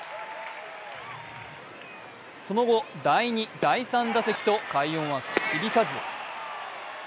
その後、第２、第３打席と快音は響かず。